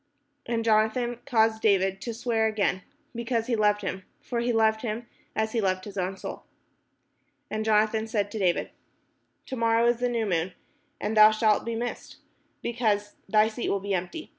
And Jonathan caused David to swear again, because he loved him: for he loved him as he loved his own soul. Then Jonathan said to David: "To morrow is the new moon: and thou shalt be missed, because thy seat will be empty.